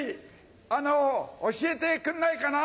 あの教えてくんないかな？